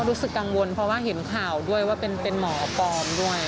รู้สึกกังวลเพราะว่าเห็นข่าวด้วยว่าเป็นหมอปลอมด้วย